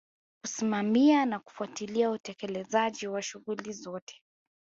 Kusimamia na kufuatilia utekelezaji wa shughuli zote